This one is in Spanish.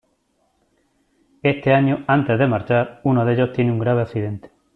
Este año, antes de marchar, uno ellos tiene un grave accidente.